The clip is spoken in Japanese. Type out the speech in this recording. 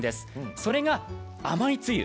それが甘いつゆ。